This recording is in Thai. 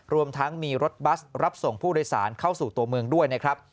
รวมทั้งมีรถบัสรับส่งผู้โดยสารเข้าสู่ตัวเมืองด้วยนะครับ